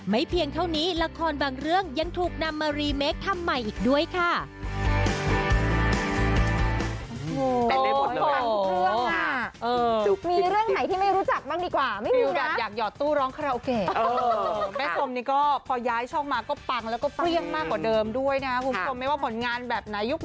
เพียงเท่านี้ละครบางเรื่องยังถูกนำมารีเมคทำใหม่อีกด้วยค่ะ